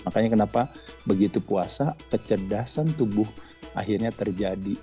makanya kenapa begitu puasa kecerdasan tubuh akhirnya terjadi